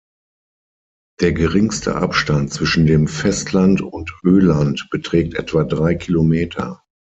Der geringste Abstand zwischen dem Festland und Öland beträgt etwa drei Kilometer.